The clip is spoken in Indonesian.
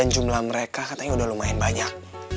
jumlah mereka katanya udah lumayan banyak